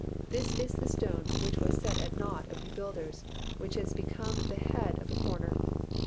This is the stone which was set at nought of you builders, which is become the head of the corner.